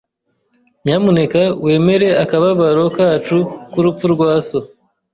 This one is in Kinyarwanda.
Nyamuneka wemere akababaro kacu k'urupfu rwa so.